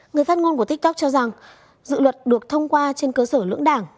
người phát ngôn của tiktok cho rằng dự luật được thông qua trên cơ sở lưỡng đảng